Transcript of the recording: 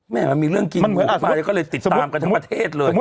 มันมีเรื่องกินของไฟก็เลยติดตามกันทั้งประเทศเลย